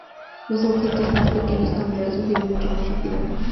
Los objetos más pequeños cambiarán su giro mucho más rápidamente.